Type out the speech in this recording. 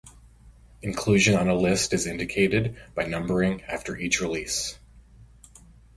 Inclusion on a list is indicated by numbering after each release.